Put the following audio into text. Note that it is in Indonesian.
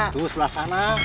tuh sebelah sana